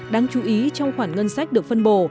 đáng chú ý trong khoản ngân sách được phân bổ